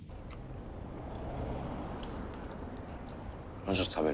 もうちょっと食べる？